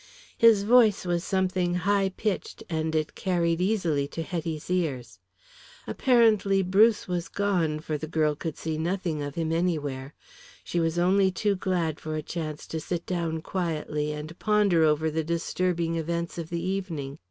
His voice was something high pitched and it carried easily to Hetty's ears. Apparently, Bruce was gone, for the girl could see nothing of him anywhere. She was only too glad for a chance to sit down quietly and ponder over the disturbing events of the evening.